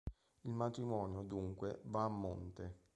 Il matrimonio, dunque, va a monte.